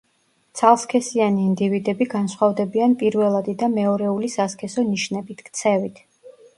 ცალსქესიანი ინდივიდები განსხვავდებიან პირველადი და მეორეული სასქესო ნიშნებით, ქცევით.